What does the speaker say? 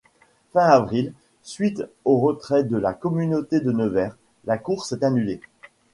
Fin avril, suite au retrait de la communauté de Nevers, la course est annulée.